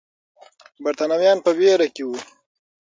برتانويان په ویره کې وو.